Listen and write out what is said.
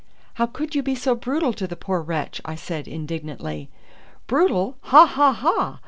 "How could you be so brutal to the poor wretch?" I said indignantly. "Brutal! Ha! ha! ha!